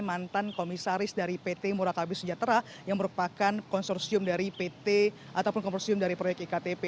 mantan komisaris dari pt murakabi sejahtera yang merupakan konsorsium dari pt ataupun komersium dari proyek iktp